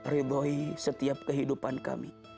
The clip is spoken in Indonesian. ridhoi setiap kehidupan kami